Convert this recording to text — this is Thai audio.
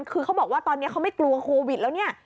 คือเขาบอกว่าตอนนี้เขาไม่กลัวโควิดแล้วเนี่ย